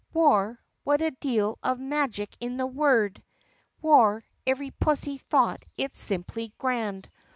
War ! What a deal of magic in the word ! War! Every pussy thought it simply grand.